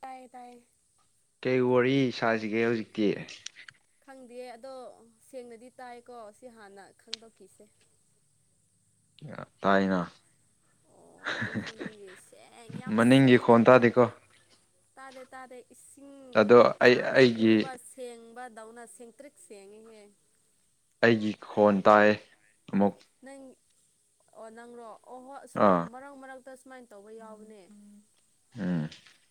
ꯇꯥꯏꯌꯦ ꯇꯥꯏꯌꯦ ꯀꯩ ꯋꯥꯔꯤ ꯁꯥꯁꯤꯒꯦ ꯍꯧꯖꯤꯛꯇꯤ ꯈꯪꯗꯤꯌꯦ ꯑꯗꯣ ꯁꯦꯡꯅꯗꯤ ꯇꯥꯏꯀꯣ ꯁꯤ ꯍꯥꯟꯅ ꯈꯪꯗꯣꯛꯈꯤꯁꯦ ꯇꯥꯏꯅ ꯑꯣ ꯑꯩꯁꯨ ꯅꯪꯒꯤ ꯁꯦꯡ ꯌꯥꯝ ꯃꯅꯤꯡꯒꯤ ꯁꯦꯡꯉꯦ ꯈꯣꯟ ꯇꯥꯗꯦꯀꯣ ꯇꯥꯗꯦ ꯇꯥꯗꯦ ꯏꯁꯤꯡ ꯑꯗꯣ ꯑꯩ ꯌꯥꯝꯅ ꯑꯩꯒꯤ ꯂꯨꯕ ꯁꯦꯡꯕꯗꯧꯅ ꯁꯦꯡꯇ꯭ꯔꯤꯛ ꯁꯦꯡꯉꯤꯍꯦ ꯑꯩꯒꯤ ꯈꯣꯟ ꯇꯥꯏ ꯑꯃꯨꯛ ꯅꯪ ꯑꯣ ꯅꯪꯔꯣ ꯑꯣ ꯍꯣ ꯑꯥꯁꯨꯝ ꯑꯥ ꯃꯔꯛ ꯃꯔꯛ ꯇ ꯁꯨꯃꯥꯏꯅ ꯇꯧꯕ ꯌꯥꯎꯕꯅꯦ ꯎꯝ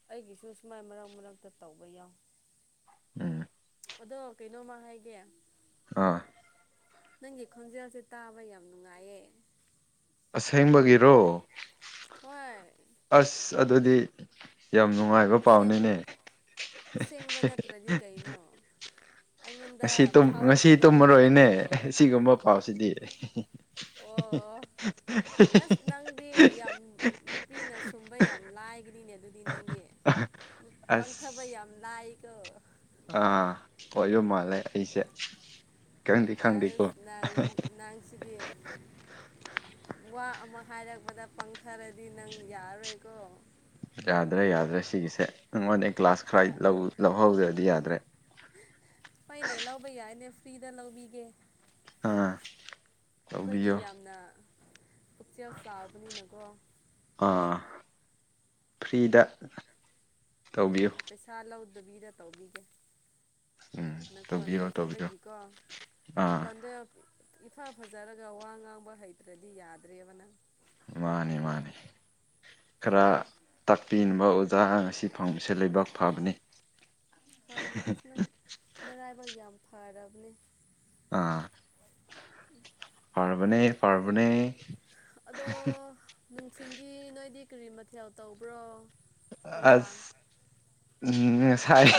ꯑꯩꯒꯤꯁꯨ ꯁꯨꯃꯥꯏ ꯃꯔꯛ ꯃꯔꯛꯇ ꯇꯧꯕ ꯌꯥꯎ ꯎꯝ ꯑꯗꯣ ꯀꯩꯅꯣꯝꯃ ꯍꯥꯏꯒꯦ ꯑꯥ ꯅꯪꯒꯤ ꯈꯣꯟꯖꯦꯜꯁꯦ ꯇꯥꯕ ꯌꯥꯝ ꯅꯨꯡꯉꯥꯏꯌꯦ ꯑꯁꯦꯡꯕꯒꯤ ꯍꯣꯏ ꯑꯁ ꯑꯗꯨꯗꯤ ꯌꯥꯝ ꯅꯨꯡꯉꯥꯏ ꯑꯁꯦꯡ ꯑꯁꯦꯡꯕ ꯅꯠꯇ꯭ꯔꯗꯤ ꯀꯩꯅꯣ ꯑꯩꯉꯣꯟꯗ ꯉꯁꯤ ꯇꯨꯝ ꯉꯁꯤ ꯐꯥꯎꯔꯛꯄꯗꯣ ꯇꯨꯝꯃꯔꯣꯏꯅꯦ ꯍꯥꯏꯔꯛꯄꯅꯦ ꯑꯁꯤꯒꯨꯝꯕ ꯄꯥꯎꯁꯤꯗꯤ ꯑꯣ [unintelligible] ꯑꯁ ꯅꯪꯗꯤ ꯌꯥꯝ ꯅꯨꯄꯤꯅ ꯁꯨꯝꯕ ꯌꯥꯝ ꯂꯥꯏꯒꯅꯤꯅꯦ ꯑꯗꯨꯗꯤ ꯅꯪꯗꯤ ꯑꯁ ꯄꯪꯊꯕ ꯌꯥꯝ ꯂꯥꯏꯀꯣ ꯑꯥ ꯍꯣꯏꯁꯨ ꯃꯥꯜꯂꯦ ꯑꯩꯁꯦ ꯈꯪꯗꯤ ꯈꯪꯗꯦꯀꯣ ꯑꯁ ꯅꯪ ꯅꯪꯁꯤꯗꯤ ꯋꯥ ꯑꯃ ꯍꯥꯏꯔꯛꯄꯗ ꯄꯪꯊꯔꯗꯤ ꯅꯪ ꯌꯥꯔꯣꯏꯀꯣ ꯌꯥꯗ꯭ꯔꯦ ꯌꯥꯗ꯭ꯔꯦ ꯁꯤꯒꯤꯁꯦ ꯅꯉꯣꯟꯗ ꯀ꯭ꯂꯒꯥꯁ ꯈꯔ ꯂꯧ ꯂꯧꯍꯧꯗ꯭ꯔꯗꯤ ꯌꯥꯗ꯭ꯔꯦ ꯐꯩꯅꯦ ꯂꯧꯕ ꯌꯥꯏꯅꯦ ꯐ꯭ꯔꯤꯗ ꯂꯧꯕꯤꯒꯦ ꯑꯥ ꯑꯈꯣꯏꯗꯤ ꯇꯧꯕꯤꯌꯣ ꯌꯥꯝꯅ ꯄꯨꯛꯆꯦꯜ ꯆꯥꯎꯕꯅꯤꯅꯀꯣ ꯑꯥ ꯐ꯭ꯔꯤꯗ ꯇꯧꯕꯤꯌꯨ ꯑꯥ ꯂꯧꯗꯕꯤꯗ ꯇꯧꯕꯤꯒꯦ ꯎꯝ ꯅꯈꯣꯟ ꯇꯧꯕꯤꯔꯣ ꯇꯧꯕꯤꯔꯣ ꯐꯖꯕꯒꯤꯀꯣ ꯑꯥ ꯅꯪꯈꯣꯟꯗ ꯏꯐ ꯐꯖꯔꯒ ꯋꯥ ꯉꯥꯡꯕ ꯍꯩꯇ꯭ꯔꯗꯤ ꯌꯥꯗ꯭ꯔꯦꯕ ꯅꯪ ꯃꯥꯅꯦ ꯃꯥꯅꯦ ꯈꯔ ꯎꯝ ꯇꯥꯛꯄꯤꯅꯕ ꯑꯣꯖꯥ ꯉꯁꯤ ꯐꯥꯎꯕꯁꯦ ꯂꯩꯕꯥꯛ ꯐꯕꯅꯤ ꯍꯣꯏ ꯍꯣꯏꯅꯦ ꯑꯁ ꯅꯪ ꯅꯔꯥꯏꯕꯛ ꯌꯥꯝ ꯐꯔꯕꯅꯦ ꯑꯥ ꯐꯔꯕꯅꯦ ꯐꯔꯕꯅꯦ ꯑꯗꯣ ꯅꯨꯡꯊꯤꯟꯗꯤ ꯅꯣꯏꯗꯤ ꯀꯔꯤ ꯃꯊꯦꯜ ꯇꯧꯕ꯭ꯔꯣ ꯅꯨꯡꯗꯥꯡ ꯑꯁ ꯎꯝ ꯉꯁꯥꯏ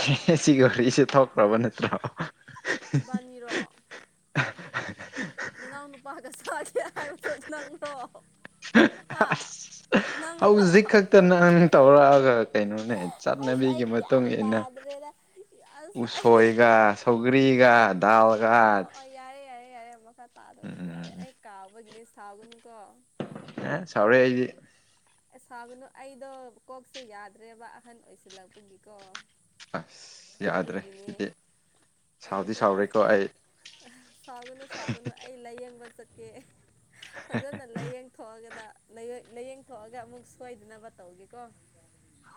ꯁꯤꯒ ꯋꯥꯔꯤꯛꯁꯦ ꯊꯣꯛꯈ꯭ꯔꯕ ꯅꯠꯇ꯭ꯔꯣ ꯏꯕꯥꯟꯅꯤꯔꯣ ꯅꯅꯥꯎ ꯅꯨꯄꯥꯥꯒ ꯁꯥꯒꯦ ꯍꯥꯏꯕ ꯅꯪ꯭ꯔꯣ ꯍꯥ ꯑꯁ ꯅꯪ ꯍꯧꯖꯤꯛ ꯈꯛꯇ ꯅꯪ ꯇꯧꯔꯛꯑꯒ ꯀꯩꯅꯣꯅꯦ ꯑꯁ ꯆꯠꯅꯕꯤꯒꯤ ꯑꯩ ꯃꯇꯨꯡ ꯒ꯭ꯌꯥꯟ ꯏꯟꯅ ꯇꯥꯗ꯭ꯔꯦꯗ ꯑꯁ ꯑꯩ ꯎꯁꯣꯏꯒ ꯁꯧꯒ꯭ꯔꯤꯒ ꯇꯥꯎꯒ ꯑꯣ ꯑꯣ ꯌꯥꯔꯦ ꯌꯥꯔꯦ ꯌꯥꯔꯦ ꯑꯃ ꯃꯈꯥ ꯇꯥꯗꯕꯁꯨ ꯌꯥꯔꯦ ꯑꯩ ꯀꯥꯎꯕꯒꯤꯅꯦ ꯁꯥꯎꯒꯅꯨꯀꯣ ꯑ ꯁꯥꯎꯔꯦ ꯑꯩꯗꯤ ꯑꯦ ꯁꯥꯎꯒꯅꯨ ꯑꯩꯗꯣ ꯀꯣꯛꯁꯦ ꯌꯥꯗ꯭ꯔꯦꯕ ꯑꯍꯟ ꯑꯣꯏꯁꯤꯜꯂꯛꯄꯒꯤꯀꯣ ꯑꯁ ꯌꯥꯗ꯭ꯔꯦ ꯑꯗꯨꯒꯤꯅꯦ ꯁꯤꯗꯤ ꯁꯥꯎꯗꯤ ꯑꯩꯁꯦ ꯑꯁ ꯁꯥꯎꯔꯦꯀꯣ ꯑꯩ ꯑ ꯁꯥꯎꯒꯅꯨ ꯁꯥꯎꯒꯅꯨ ꯑꯩ ꯂꯥꯏꯌꯦꯡꯕ ꯆꯠꯀꯦ ꯐꯖꯅ ꯂꯥꯏꯌꯦꯡꯊꯣꯛꯑꯒꯅ ꯂꯥꯏꯌꯦꯡꯊꯣꯛꯑꯒ ꯑꯃꯨꯛ ꯁꯣꯏꯗꯅꯕ ꯇꯧꯒꯦꯀꯣ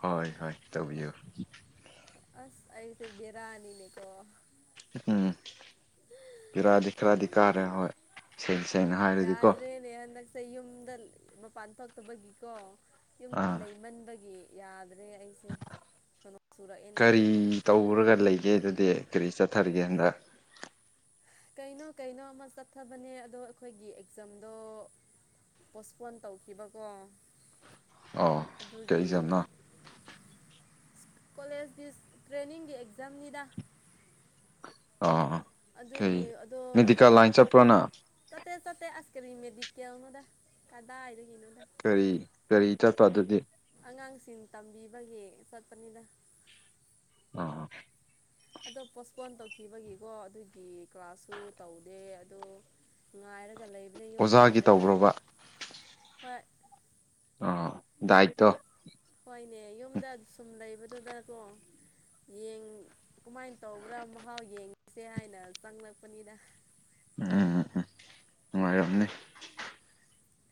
ꯍꯣꯏ ꯍꯣꯏ ꯇꯧꯕꯤꯌꯨ ꯑꯁ ꯑꯩꯁꯦ ꯕꯦꯔꯥꯅꯤꯅꯦꯀꯣ ꯎꯝ ꯕꯦꯔꯥꯗꯤ ꯈꯔꯗꯤ ꯀꯥꯔꯦ ꯍꯣꯏ ꯁꯦꯡꯅ ꯁꯦꯡꯅ ꯍꯥꯏ ꯌꯥꯗ꯭ꯔꯦ ꯅꯦꯍꯟꯗꯛ ꯌꯨꯝꯗ ꯃꯄꯥꯟ ꯊꯣꯛꯛꯇꯕꯒꯤꯀꯣ ꯌꯨꯝꯗ ꯑꯥ ꯂꯩꯃꯟꯕꯒꯤ ꯌꯥꯗ꯭ꯔꯦ ꯑꯩꯁꯦ ꯁꯣꯅꯣ ꯁꯨꯔꯛꯑꯦꯅꯦ ꯀꯔꯤ ꯇꯧꯔꯒ ꯂꯩꯒꯦ ꯑꯗꯨꯗꯤ ꯀꯔꯤ ꯆꯠꯊꯔꯤꯒꯦ ꯍꯟꯗꯛ ꯀꯩꯅꯣ ꯀꯩꯅꯣ ꯑꯃ ꯆꯠꯊꯕꯅꯦ ꯑꯗꯣ ꯑꯈꯣꯏꯒꯤ ꯑꯦꯛꯖꯥꯝꯗꯣ ꯄꯣꯁꯄꯣꯟ ꯇꯧꯈꯤꯕꯀꯣ ꯑꯣ ꯀꯩ ꯑꯗꯨꯒꯤ ꯑꯦꯛꯖꯥꯝꯅꯣ ꯀꯣꯂꯦꯖꯀꯤ ꯇ꯭ꯔꯦꯅꯤꯡꯒꯤ ꯑꯦꯛꯖꯥꯝꯅꯤꯗ ꯑ ꯀꯩ ꯑꯗꯨꯒꯤ ꯑꯗꯣ ꯃꯦꯗꯤꯀꯦꯜ ꯂꯥꯏꯟ ꯆꯠꯄ꯭ꯔꯣ ꯅꯪ ꯆꯠꯇꯦ ꯆꯠꯇꯦ ꯑꯁ ꯀꯔꯤ ꯃꯦꯗꯤꯀꯦꯜ ꯅꯣꯗ ꯀꯥꯗꯥꯏ ꯗꯥꯒꯤ ꯅꯤꯗꯥ ꯀꯔꯤ ꯀꯔꯤ ꯆꯠꯄꯗꯨꯗꯤ ꯑꯉꯥꯡꯁꯤꯡ ꯇꯝꯕꯤꯕꯒꯤ ꯆꯠꯄꯅꯤꯗ ꯑ ꯑꯗꯣ ꯄꯣꯁꯄꯣꯟ ꯇꯧꯈꯤꯕꯒꯤꯀꯣ ꯑꯗꯨꯒꯤ ꯀ꯭ꯂꯥꯁꯁꯨ ꯇꯧꯗꯦ ꯑꯗꯣ ꯉꯥꯏꯔꯒ ꯂꯩꯕꯅꯦ ꯌꯨꯝꯗ ꯑꯣꯖꯥꯒꯤ ꯂꯩꯔꯒ ꯇꯧꯕ꯭ꯔꯣꯕ ꯍꯣꯏ ꯑ ꯗꯥꯏꯇꯣ ꯍꯣꯏꯅꯦ ꯌꯨꯝꯗ ꯁꯨꯝ ꯂꯩꯕꯗꯨꯗꯀꯣ ꯌꯦꯡ ꯀꯨꯃꯥꯏꯅ ꯇꯧꯕ꯭ꯔꯥ ꯃꯍꯥꯎ ꯌꯦꯡꯁꯦ ꯍꯥꯏꯅ ꯆꯪꯂꯛꯄꯅꯤꯗ ꯎꯝ ꯎꯝ ꯎꯝ ꯅꯨꯡꯉꯥꯏꯔꯝꯅꯤ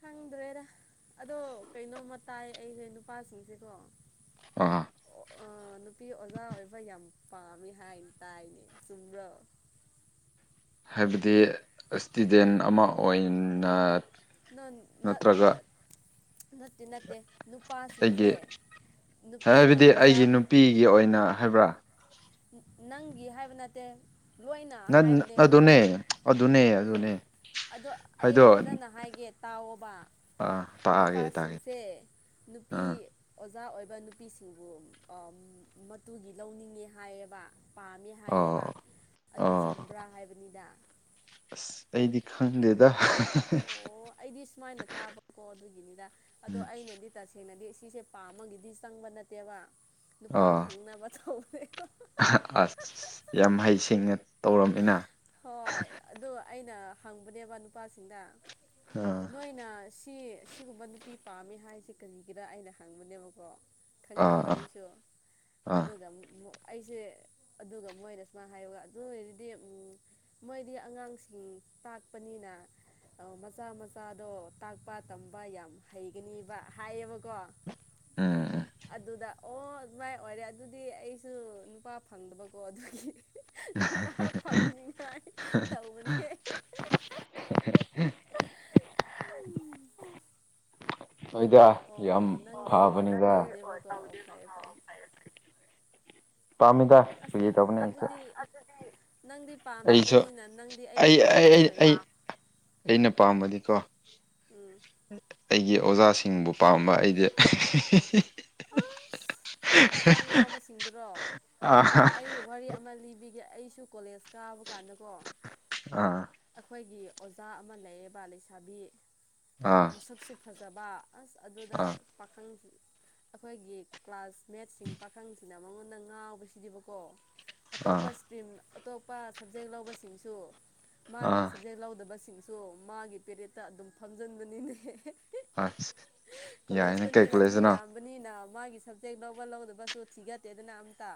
ꯈꯪꯗ꯭ꯔꯦꯗ ꯑꯗꯣ ꯀꯩꯅꯣꯃ ꯇꯥꯏ ꯑꯩꯁꯦ ꯅꯨꯄꯥꯁꯤꯡꯁꯤꯀꯣ ꯑ ꯑꯥ ꯅꯨꯄꯤ ꯑꯣꯖꯥ ꯑꯣꯏꯕ ꯌꯥꯝ ꯄꯥꯝꯃꯤ ꯍꯥꯏꯅ ꯇꯥꯏꯅꯦ ꯆꯨꯝꯕ꯭ꯔ ꯍꯥꯏꯕꯗꯤ ꯏꯁꯇꯨꯗꯦꯟ ꯑꯃ ꯑꯣꯏꯅ ꯅꯠ ꯅꯠ ꯅꯠꯇ꯭ꯔꯒ ꯅꯠꯇꯦ ꯅꯠꯇꯦ ꯑꯩꯒꯤ ꯅꯨꯄꯥꯁꯤꯡꯁꯦ ꯅꯨꯄꯤꯅ ꯍꯥꯏꯕꯗꯤ ꯑꯣꯖꯥ ꯑꯩꯁꯤ ꯅꯨꯄꯤꯒꯤ ꯑꯣꯏꯅ ꯍꯥꯏꯕ꯭ꯔꯥ ꯅꯪꯒꯤ ꯍꯥꯏꯕ ꯅꯠꯇꯦ ꯂꯣꯏꯅ ꯅ ꯍꯥꯏꯕꯅꯦ ꯑꯗꯨꯅꯦ ꯑꯗꯨꯅꯦ ꯑꯗꯨꯅꯦ ꯑꯗꯣ ꯑꯩ ꯍꯥꯏꯗꯣ ꯐꯖꯅ ꯍꯥꯏꯒꯦ ꯇꯥꯎꯑꯣꯕ ꯑꯥ ꯇꯥꯒꯦ ꯇꯥꯒꯦ ꯅꯨꯄꯥꯁꯤꯡꯁꯦ ꯅꯨꯄꯤ ꯑꯥ ꯑꯣꯖꯥ ꯑꯣꯏꯕ ꯅꯨꯄꯤꯁꯤꯡꯕꯨ ꯃꯇꯨꯒꯤ ꯂꯧꯅꯤꯡꯉꯦ ꯍꯥꯏꯌꯦꯕ ꯄꯥꯝꯃꯦ ꯍꯥꯏꯌꯦꯕ ꯑꯣ ꯑꯗꯣ ꯑꯣ ꯆꯨꯝꯕ꯭ꯔꯥ ꯍꯥꯏꯕꯅꯤꯗ ꯑꯁ ꯑꯩꯗꯤ ꯈꯪꯗꯦꯗ ꯑꯣ ꯑꯩꯗꯤ ꯁꯨꯃꯥꯏꯅ ꯇꯥꯕꯀꯣ ꯑꯗꯨꯒꯤꯅꯤꯗ ꯑꯗꯣ ꯎꯝ ꯑꯩꯅꯗꯤ ꯇꯁꯦꯡꯅꯗꯤ ꯁꯤꯁꯦ ꯄꯥꯝꯃꯒꯤꯗꯤ ꯆꯪꯕ ꯅꯠꯇꯦꯕ ꯅꯨꯄꯥ ꯑꯣ ꯐꯪꯅꯕ ꯇꯧꯕꯅꯦꯕ ꯑ ꯑꯁ꯭ ꯌꯥꯝ ꯍꯩꯁꯤꯡꯅ ꯇꯧꯔꯝꯃꯦꯅ ꯍꯣꯏ ꯑꯗꯨ ꯑꯩꯅ ꯍꯪꯕꯅꯦꯕ ꯅꯨꯄꯥꯁꯤꯡꯗ ꯑꯥ ꯅꯣꯏꯅ ꯁꯤ ꯁꯤꯒꯨꯝꯕ ꯅꯨꯄꯤ ꯄꯥꯝꯃꯤ ꯍꯥꯏꯁꯦ ꯀꯔꯤꯒꯤꯔ ꯑꯩꯅ ꯍꯪꯕꯅꯦꯕꯀꯣ ꯑꯥ ꯈꯪꯅꯤꯡꯕ ꯑꯥ ꯑꯩꯁꯨ ꯑꯥ ꯑꯗꯨꯒ ꯑꯩꯁꯦ ꯑꯗꯨꯒ ꯃꯣꯏꯅ ꯁꯨꯃꯥꯏꯅ ꯍꯥꯏꯌꯣꯒ ꯑꯗꯨ ꯑꯣꯏꯔꯗꯤ ꯃꯣꯏꯗꯤ ꯑꯉꯥꯡꯁꯤꯡ ꯇꯥꯛꯄꯅꯤꯅ ꯃꯆꯥ ꯃꯆꯥꯗꯣ ꯇꯥꯛꯄ ꯇꯝꯕ ꯌꯥꯝ ꯍꯩꯒꯅꯤꯕ ꯍꯥꯏꯌꯦꯕꯀꯣ [inaudible] ꯎꯝ ꯑꯗꯨꯗ ꯑꯣ ꯑꯗꯨꯃꯥꯏ ꯑꯣꯏꯔꯦ ꯑꯗꯨꯗꯤ ꯑꯩꯁꯨ ꯅꯨꯄꯥ ꯐꯪꯗꯕꯀꯣ ꯑꯗꯨꯒꯤ [inaudible] ꯅꯤꯡꯉꯥꯏ ꯇꯧꯕꯅꯦ ꯍꯣꯏꯗ ꯑꯣ ꯌꯥꯝ ꯅꯪꯗꯤ ꯐꯕꯅꯤꯗ ꯇꯧꯗꯦꯕꯀꯣ ꯑꯣ ꯐꯩꯌꯦ ꯐꯩꯌꯦ ꯄꯥꯝꯃꯤꯗ ꯑꯁ ꯐꯥꯒꯤ ꯇꯧꯕꯅꯦ ꯑꯩꯁꯨ ꯑꯗꯨꯗꯤ ꯅꯪꯗꯤ ꯑꯩꯁꯨ ꯄꯥꯝꯗꯕꯅꯤꯅ ꯅꯪꯗꯤ ꯑꯩꯕꯨ ꯑꯩ ꯑꯩ ꯑꯩ ꯄꯥꯝꯃꯔꯣꯏꯅꯦ ꯑꯩꯅ ꯄꯥꯝꯃꯗꯤꯀꯣ ꯎꯝ ꯑꯩꯒꯤ ꯑꯣꯖꯥꯁꯤꯡꯕꯨ ꯄꯥꯝꯕ ꯑꯩꯗꯤ ꯑꯁ ꯑꯣꯖꯥ ꯉꯥꯎꯕꯁꯤꯡꯗꯨꯔꯣ ꯑꯥ ꯑꯣ ꯑꯩ ꯋꯥꯔꯤ ꯑꯃ ꯂꯤꯕꯤꯒꯦ ꯑꯩꯁꯨ ꯀꯣꯂꯦꯖ ꯀꯥꯕ ꯀꯥꯟꯗꯀꯣ ꯑꯥ ꯑꯩꯈꯣꯏꯒꯤ ꯑꯣꯖꯥ ꯑꯃ ꯂꯩꯌꯦꯕ ꯂꯩꯁꯥꯕꯤ ꯑꯥ ꯃꯁꯛꯁꯨ ꯐꯖꯕ ꯑꯁ ꯑꯗꯨꯗ ꯑꯥ ꯄꯥꯈꯪ ꯑꯩꯈꯣꯏꯒꯤ ꯀ꯭ꯂꯥꯁꯃꯦꯠꯁꯤꯡ ꯄꯥꯈꯪꯁꯤꯅ ꯃꯉꯣꯟꯗ ꯉꯥꯎꯕꯁꯤꯗꯤꯕꯀꯣ ꯑꯇꯣꯞꯄ ꯑꯥ ꯁ꯭ꯇꯔꯤꯝ ꯑꯇꯣꯞꯄ ꯁꯕꯖꯦꯛ ꯂꯧꯕꯁꯤꯡꯁꯨ ꯃꯥꯒꯤ ꯑꯥ ꯁꯕꯖꯦꯛ ꯂꯧꯗꯕꯁꯤꯡꯁꯨ ꯃꯥꯒꯤ ꯄꯦꯔꯤꯍꯠꯇ ꯑꯗꯨꯝ ꯐꯝꯖꯤꯟꯕꯅꯤꯅꯦ ꯑꯦ ꯑꯁ ꯌꯥꯏꯅꯦ ꯀꯩ ꯀꯣꯂꯦꯖꯇꯅꯤꯅ ꯃꯤ ꯀꯣꯂꯦꯖꯇꯅꯣ ꯌꯥꯝ ꯕꯅꯤꯅ ꯃꯥꯒꯤ ꯁꯕꯖꯦꯛ ꯂꯧꯕ ꯂꯧꯗꯕꯁꯨ ꯊꯤꯒꯠꯇꯦꯗꯅ ꯑꯃꯇ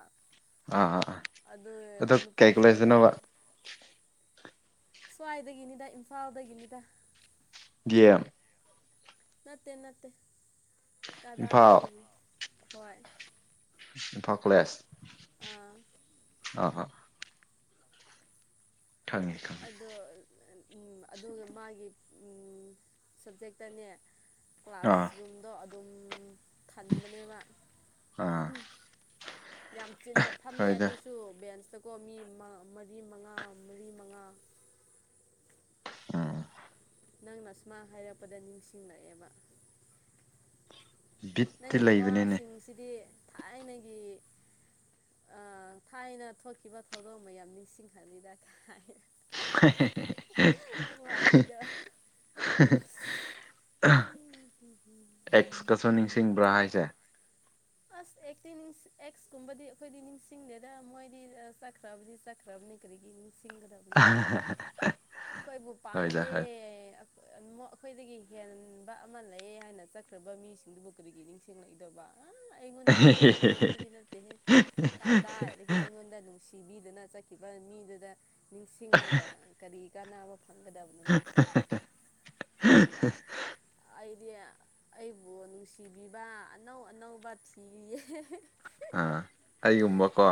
ꯑꯥ ꯑꯥ ꯑꯥ ꯑꯗꯨ ꯑꯗꯣ ꯀꯩ ꯅꯨꯄꯥꯁꯤꯡꯗꯣ ꯀꯣꯂꯦꯖꯇꯅꯣꯕ ꯁ꯭ꯋꯥꯏꯗꯒꯤꯅꯤꯗ ꯏꯝꯐꯥꯜꯗꯒꯤꯅꯤꯗ ꯒꯦꯝ ꯅꯠꯇꯦ ꯅꯠꯇꯦ ꯏꯝꯐꯥꯜ ꯀꯗꯥꯏꯗꯒꯤ ꯍꯣꯏ ꯏꯝꯐꯥꯜ ꯀꯣꯂꯦꯖ ꯑꯥ ꯑꯥꯍꯥ ꯈꯡꯉꯦ ꯑꯗꯣ ꯑꯗꯨꯒ ꯃꯥꯒꯤ ꯁꯕꯖꯦꯛꯇꯅꯦ ꯑꯥ ꯀ꯭ꯂꯥꯁꯔꯨꯝꯗꯣ ꯑꯗꯨꯝ ꯊꯟꯕꯅꯦꯕ ꯑꯥ ꯎꯝ ꯌꯥꯝ ꯆꯤꯟꯅ ꯐꯝꯃꯦ ꯍꯣꯏꯗ ꯑꯗꯨꯁꯨ ꯕꯦꯟꯁꯇꯀꯣ ꯃꯤ ꯃꯔꯤ ꯃꯉꯥ ꯃꯔꯤ ꯃꯉꯥ ꯑꯝ ꯅꯪꯅ ꯑꯁꯨꯃꯥꯏ ꯍꯥꯏꯔꯛꯄꯗ ꯅꯤꯡꯁꯤꯡꯂꯛꯑꯦꯕ ꯕꯤꯠꯇꯤ ꯅꯪꯒꯤ ꯂꯩꯕꯅꯤꯅꯦ ꯋꯥꯁꯤꯡꯁꯤꯗꯤ ꯊꯥꯏꯅꯒꯤ ꯑꯥ ꯊꯥꯏꯅ ꯊꯣꯛꯈꯤꯕ ꯊꯧꯗꯣꯛ ꯃꯌꯥꯝ ꯅꯤꯡꯁꯤꯡꯍꯜꯂꯤꯗ ꯀꯥꯏꯅ ꯋꯥꯔꯤꯗꯣ ꯎꯝ ꯑꯦꯛꯁꯀꯁꯨ ꯅꯤꯡꯁꯤꯡꯕ꯭ꯔꯥ ꯍꯥꯏꯁꯦ ꯑꯁ ꯑꯦꯛꯁꯇꯤ ꯑꯦꯛꯁ ꯀꯨꯝꯕꯗꯤ ꯑꯩꯈꯣꯏꯗꯤ ꯅꯤꯡꯁꯤꯡꯗꯦꯗ ꯃꯣꯏꯗꯤ ꯆꯠꯈ꯭ꯔꯕꯗꯤ ꯆꯠꯈꯔꯦ ꯆꯠꯈꯔꯕꯅꯤ ꯀꯔꯤꯒꯤ ꯅꯤꯡꯁꯤꯡꯒꯗꯕꯅꯣ ꯑꯩꯈꯣꯏꯕꯨ ꯍꯣꯏꯗ ꯄꯥꯝꯗꯦ ꯍꯣꯏ ꯑꯩꯈꯣꯏꯗꯒꯤ ꯍꯦꯟꯕ ꯑꯃ ꯂꯩꯌꯦ ꯍꯥꯏꯅ ꯆꯠꯈ꯭ꯔꯕ ꯃꯤꯁꯤꯡꯗꯨꯕꯨ ꯀꯔꯤꯒꯤ ꯅꯤꯡꯁꯤꯡ ꯂꯨꯒꯗꯕ ꯑꯩꯉꯣꯟꯗꯗꯤ ꯑꯗꯨꯒꯨꯝꯕ ꯃꯤꯗꯤ ꯅꯠꯇꯦꯍꯦ ꯀꯥꯗꯥꯏꯗꯒꯤ ꯑꯩꯉꯣꯟꯗ ꯅꯨꯡꯁꯤ ꯄꯤꯕꯤꯗꯅ ꯆꯠꯈꯤꯕ ꯃꯤꯗꯨꯗ ꯅꯤꯡꯁꯤꯡꯉꯒ ꯀꯔꯤ ꯀꯥꯟꯅꯕ ꯐꯪꯒꯗꯕ [inaudible] ꯑꯩꯗꯤ ꯑꯩꯕꯨ ꯅꯨꯡꯁꯤꯕꯤꯕ ꯑꯅꯧ ꯑꯅꯧꯕ ꯊꯤꯔꯤꯌꯦ ꯑꯥ ꯑꯩꯒꯨꯝꯕꯀꯣ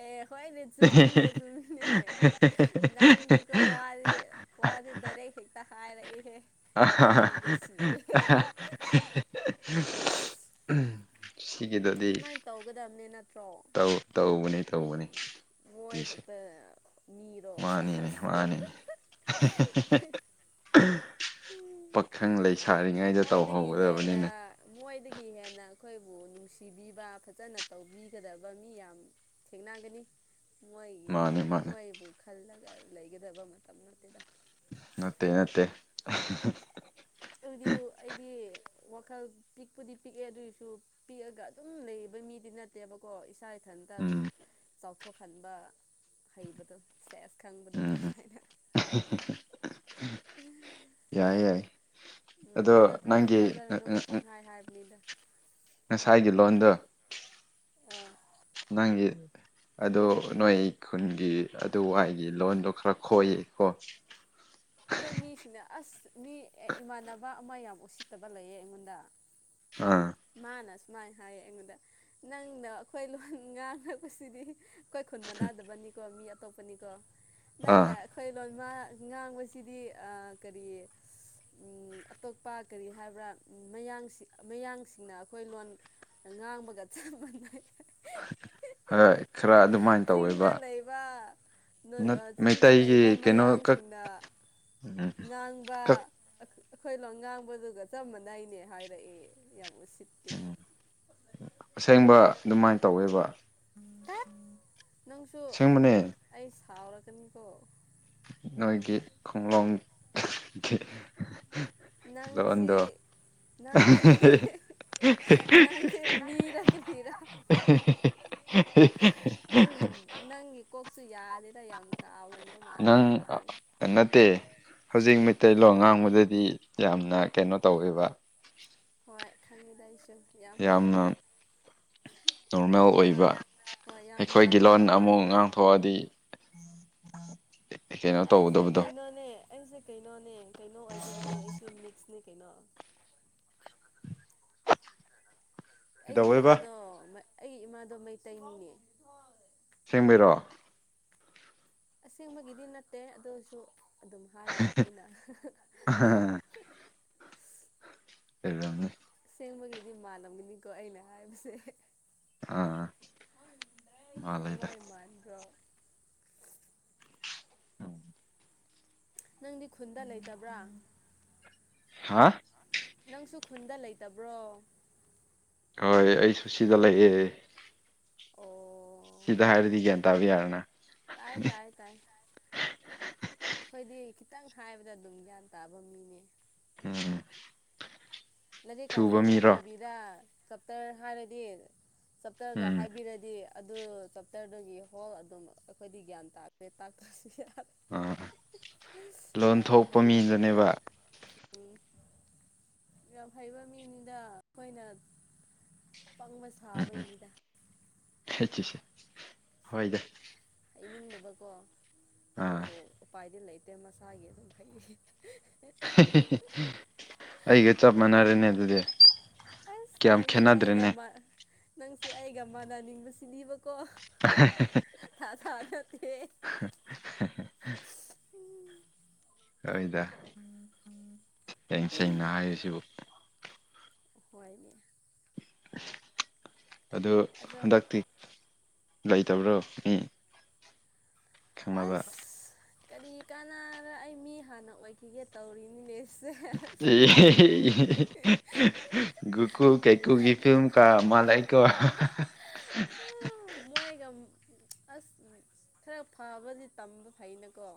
ꯑꯦ ꯍꯣꯏꯅꯦ ꯆꯨꯝꯃꯤꯅꯦ ꯆꯨꯝꯃꯤꯅꯦ ꯅꯪꯁꯨꯀꯣ ꯋꯥꯁꯤ ꯋꯥꯗꯤ ꯗꯥꯏꯔꯦꯛ ꯍꯦꯛꯇ ꯍꯥꯏꯔꯛꯑꯦꯍꯦ ꯑ ꯎꯝ [inaudible] ꯁꯤꯒꯤꯗꯨꯗꯤ ꯁꯨꯃꯥꯏꯅ ꯇꯧꯒꯗꯕꯅꯦ ꯅꯠꯇ꯭ꯔꯣ ꯇꯧ ꯇꯧꯕꯅꯦ ꯇꯧꯕꯅꯦ ꯃꯣꯏ ꯁꯦ ꯈꯛꯇ ꯃꯤꯔꯣ ꯁꯦꯁ ꯃꯥꯅꯤꯅꯦ ꯃꯥꯅꯤꯅꯦ [unintelligible] ꯄꯥꯈꯪ ꯂꯩꯁꯥꯔꯤꯉꯩꯗ ꯃꯣꯏꯗꯒꯤ ꯍꯦꯟꯅ ꯇꯧꯍꯧꯒꯗꯕꯅꯤꯅꯦ ꯃꯣꯏꯗꯒꯤ ꯍꯦꯟꯅ ꯑꯩꯈꯣꯏꯕꯨ ꯅꯨꯡꯁꯤꯕꯤꯕ ꯐꯖꯅ ꯇꯧꯕꯤꯒꯗꯕ ꯃꯤ ꯌꯥꯝ ꯊꯦꯡꯅꯒꯅꯤ ꯃꯣꯏꯒꯤ ꯃꯥꯅꯦ ꯃꯥꯅꯦ ꯃꯣꯏꯕꯨ ꯈꯜꯂꯒ ꯂꯩꯒꯗꯕ ꯃꯇꯝ ꯅꯠꯇꯦꯗ ꯅꯠꯇꯦ ꯅꯠꯇꯦ ꯑꯗꯨꯗꯤ ꯑꯩꯗꯤ ꯋꯥꯈꯜ ꯄꯤꯛꯄꯨꯗꯤ ꯄꯤꯛꯑꯦ ꯑꯗꯨꯏꯁꯨ ꯄꯤꯛꯑꯒ ꯑꯗꯨꯝ ꯂꯩꯕ ꯃꯤꯗꯤ ꯅꯠ ꯅꯠꯇꯦꯕꯀꯣ ꯏꯁꯥ ꯏꯊꯟꯇ ꯑꯗꯨꯝ ꯎꯝ ꯆꯥꯎꯊꯣꯛꯍꯟꯕ ꯍꯩꯕꯗꯣ ꯁꯦꯁ ꯈꯪꯕꯗꯣ ꯎꯝ ꯎꯝ ꯒꯥꯏꯅ ꯌꯥꯏ ꯌꯥꯏ ꯎꯝ ꯑꯗꯣ ꯊꯥꯗꯤ ꯊꯥꯖꯔꯅꯨꯒꯣ ꯄꯪꯍꯥꯏ ꯍꯥꯏꯕꯅꯤꯗ ꯉꯁꯥꯏꯒꯤ ꯂꯣꯟꯗꯣ ꯑꯥ ꯅꯪꯒꯤ ꯑꯗꯣ ꯅꯣꯏ ꯈꯨꯟꯒꯤ ꯑꯗꯨꯋꯥꯏꯒꯤ ꯂꯣꯟꯗꯣ ꯈꯔ ꯈꯣꯏꯌꯦ ꯀꯣ ꯑꯗꯣ ꯃꯤꯁꯤꯡꯅ ꯑꯁ ꯃꯤ ꯏꯃꯥꯟꯅꯕ ꯑꯃ ꯌꯥꯝ ꯎꯁꯤꯠꯇꯕ ꯂꯩꯌꯦ ꯑꯩꯉꯣꯟꯗ ꯑꯥ ꯃꯥꯅ ꯁꯨꯃꯥꯏꯅ ꯍꯥꯏꯌꯦ ꯑꯩꯉꯣꯟꯗ ꯅꯪꯅ ꯑꯩꯈꯣꯏ ꯂꯣꯟ ꯉꯥꯡꯉꯛꯄꯁꯤꯗꯤ ꯑꯩꯈꯣꯏ ꯈꯨꯟ ꯃꯥꯟꯅꯥꯗꯕꯅꯤꯀꯣ ꯃꯤ ꯑꯇꯣꯞꯄꯅꯤꯀꯣ ꯅꯪꯅ ꯑꯥ ꯑꯩꯈꯣꯏ ꯂꯣꯟꯃ ꯉꯥꯡꯕꯁꯤꯗꯤ ꯑꯥ ꯀꯔꯤ ꯎꯝ ꯑꯇꯣꯞꯄ ꯀꯔꯤ ꯍꯥꯏꯕ꯭ꯔꯥ ꯃꯌꯥꯡꯁꯤꯡ ꯑ ꯃꯌꯥꯡꯁꯤ ꯁꯤꯡꯅ ꯑꯩꯈꯣꯏ ꯂꯣꯟ ꯉꯥꯡꯕꯒ ꯆꯞ ꯃꯥꯟꯅꯩ ꯍꯣꯏ ꯈꯔ ꯑꯗꯨꯃꯥꯏꯅ ꯇꯧ ꯆꯤꯡꯗ ꯂꯩꯕ ꯅꯠ ꯆꯤꯡꯗ ꯃꯩꯇꯩꯒꯤ ꯂꯩꯕ ꯀꯩꯅꯣ ꯈꯛ ꯃꯌꯥꯡꯁꯤꯡꯅ ꯉꯥꯡꯕ ꯑꯩꯈ ꯑꯩꯈꯣꯏ ꯂꯣꯟ ꯉꯥꯡꯕꯗꯨꯒ ꯆꯞ ꯃꯥꯟꯅꯩꯅꯦ ꯍꯥꯏꯔꯛꯑꯦ ꯌꯥꯝ ꯎꯁꯤꯠ ꯎꯝ ꯑꯁꯦꯡꯕ ꯑꯗꯨꯃꯥꯏꯅ ꯇꯧꯋꯦꯕ ꯇꯠ ꯅꯪꯁꯨ ꯑꯁꯦꯡꯕꯅꯦ ꯑꯩ ꯁꯥꯎꯔꯛꯀꯅꯤꯀꯣ ꯅꯣꯏꯒꯤ ꯈꯨꯡꯒꯡꯒꯤ ꯅꯪꯁꯤ ꯅꯪꯁꯤ ꯅꯪꯁꯦ ꯃꯤꯔ ꯀꯔꯤꯔꯥ ꯅꯪꯒꯤ [unintelligible] ꯅꯪꯒꯤ ꯀꯣꯛꯁꯨ ꯌꯥꯗꯦꯗ ꯌꯥꯝ ꯀꯥꯎꯒꯟꯕ ꯃꯥꯜꯂꯦ ꯅꯪ ꯌꯥꯗꯦ ꯅꯠꯇꯦ ꯍꯧꯖꯤꯛ ꯃꯩꯇꯩꯂꯣꯟ ꯉꯥꯡꯕꯗꯗꯤ ꯌꯥꯝꯅ ꯀꯩꯅꯣ ꯇꯧꯋꯦꯕ ꯍꯣꯏ ꯈꯪꯉꯦꯗꯥ ꯚꯩꯁꯨ ꯌꯥꯝ ꯍꯩꯕꯅꯦ ꯌꯥꯝꯅ ꯅꯣꯔꯃꯦꯜ ꯌꯥꯝꯅ ꯑꯣꯏꯕ ꯍꯣꯏ ꯌꯥꯝ ꯑꯩꯈꯣꯏꯒꯤ ꯃꯥꯟꯕ꯭ꯔꯣ ꯂꯣꯟꯅ ꯑꯃꯨꯛ ꯉꯥꯡꯊꯣꯛꯑꯗꯤ [inaudible] ꯀꯩꯅꯣ ꯑꯩꯁꯦ ꯇꯧꯒꯗꯕꯗꯣ ꯀꯩꯅꯣꯅꯦ ꯑꯩꯁꯦ ꯀꯩꯅꯣꯅꯦ ꯀꯩꯅꯣ ꯑꯣꯏꯕꯅꯦ ꯑꯩꯁꯦ ꯃꯤꯛꯁꯅꯦ ꯀꯩꯅꯣ ꯑꯩꯒꯤ ꯀꯩꯗꯧꯋꯦꯕ ꯏꯃꯥꯗꯣ ꯑꯩꯒꯤ ꯏꯃꯥꯗꯣ ꯃꯩꯇꯩꯅꯤꯅꯦ ꯑꯁꯦꯡꯕꯩꯔꯣ ꯑꯁꯦꯡꯕꯒꯤꯗꯤ ꯅꯠꯇꯦ ꯑꯗꯨꯏꯁꯨ ꯑꯗꯨꯝ ꯍꯥꯏꯕ ꯑꯩꯅ [unintelligible] [unintelligible] ꯑꯁꯦꯡꯕꯒꯤꯗꯤ ꯃꯥꯥꯟꯂꯝꯒꯅꯤꯀꯣ ꯑꯩꯅ ꯍꯥꯏꯕꯁꯦ ꯑꯥ ꯃꯥꯜꯂꯦꯗ ꯀꯃꯥꯏ ꯃꯥꯟꯕ꯭ꯔꯣ ꯅꯪꯗꯤ ꯈꯨꯟꯗ ꯂꯩꯇꯕ꯭ꯔꯥ ꯍꯥ ꯅꯪꯁꯨ ꯈꯨꯟꯗ ꯂꯩꯇꯕ꯭ꯔꯣ ꯍꯣꯏ ꯑꯩꯁꯨꯁꯤꯗ ꯂꯩꯑꯦ ꯑꯣ ꯁꯤꯗ ꯍꯥꯏꯔꯗꯤ ꯒ꯭ꯌꯥꯟ ꯇꯥꯕ ꯌꯥꯔꯦꯅ ꯇꯥꯏ ꯇꯥꯏ ꯇꯥꯏ ꯑꯩꯈꯣꯏꯗꯤ ꯈꯤꯇꯪ ꯍꯥꯏꯕꯗ ꯑꯗꯨꯝ ꯒ꯭ꯌꯥꯟ ꯇꯥꯕ ꯃꯤꯅꯦ ꯎꯝ ꯊꯨꯕ ꯂꯥꯏꯔꯤꯛꯀꯥꯁꯦ ꯃꯤꯔꯣ ꯇꯝꯗꯕꯤꯗ ꯆꯞꯇꯔ ꯍꯥꯏꯔꯗꯤ ꯆꯞꯇꯔꯒ ꯎꯝ ꯍꯥꯏꯕꯤꯔꯗꯤ ꯑꯗꯨ ꯆꯞꯇꯔꯗꯨꯒꯤ ꯍꯣꯜ ꯑꯗꯨꯝ ꯑꯩꯈꯣꯏꯗꯤ ꯒ꯭ꯌꯥꯟ ꯇꯥꯗꯦ ꯇꯥꯛꯇꯁꯨ ꯌꯥꯔꯦ ꯑꯥ [unintelligible] ꯂꯣꯟ ꯌꯥꯝ ꯊꯣꯛꯄ ꯍꯩꯕ ꯃꯤꯅꯤ ꯃꯤꯗꯨꯅꯦꯕ ꯎꯝ ꯌꯥꯝ ꯍꯩꯕ ꯃꯤꯅꯤꯗ ꯑꯩꯈꯣꯏꯅ ꯄꯪꯕ ꯁꯥꯕꯒꯤꯅꯤꯗ [unintelligible] ꯍꯣꯏꯗ ꯍꯩꯅꯤꯡꯗꯕꯀꯣ ꯑꯥ ꯑꯗꯨꯕꯨ ꯎꯄꯥꯏꯗꯤ ꯂꯩꯇꯦ ꯃꯁꯥꯒꯤ ꯑꯗꯨꯝ ꯍꯩ [unintelligible] ꯑꯩꯒ ꯆꯞ ꯃꯥꯟꯅꯔꯦꯅꯦ ꯑꯗꯨꯗꯤ ꯑꯁ ꯀꯌꯥꯝ ꯅꯪꯁꯨ ꯑꯩꯒ ꯈꯦꯠꯅꯗ꯭ꯔꯦꯅꯦ ꯃꯥ ꯅꯪꯁꯨ ꯑꯩꯒ ꯃꯥꯟꯅꯅꯤꯡꯕꯁꯤꯗꯤ ꯀꯣ [unintelligible] ꯊꯥ ꯊꯥ ꯅꯠꯇꯦ ꯍꯣꯏꯗ ꯁꯦꯡ ꯁꯦꯡꯅ ꯍꯥꯏꯔꯤꯁꯤꯕꯨ ꯍꯣꯏꯃꯤ ꯑꯗꯨ ꯑꯗꯣ ꯍꯟꯗꯛꯇꯤ ꯂꯩꯇꯕ꯭ꯔꯣ ꯃꯤ ꯈꯪꯅꯕ ꯑꯁ ꯀꯔꯤ ꯀꯥꯟꯅꯗ ꯑꯩ ꯃꯤ ꯍꯥꯟꯅ ꯑꯣꯏꯈꯤꯒꯦ ꯇꯧꯔꯤꯅꯤꯅꯦ ꯁꯦꯁ ꯑꯦ [unintelligible] ꯒꯨꯀꯨꯜ ꯀꯥꯏꯀꯨꯒꯤ ꯐꯤꯂꯝ ꯀ ꯃꯥꯟꯂꯛꯏꯀꯣ [inaudible] ꯃꯣꯏꯒ ꯑꯁ ꯈꯔ ꯐꯕꯗꯤ ꯇꯝꯕ ꯐꯩꯅꯀꯣ